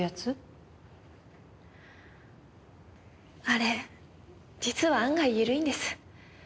あれ実は案外ゆるいんです。